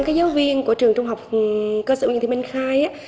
cái giáo viên của trường trung học cơ sở nguyễn thị minh khai